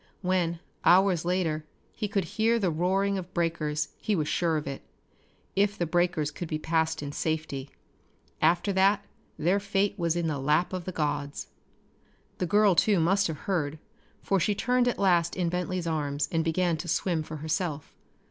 When, hours later, he could hear the roaring of breakers he was sure of it if the breakers could be passed in safety. After that their fate was in the lap of the gods. The girl too must have heard, for she turned at last in Bentley's arms and began to swim for herself.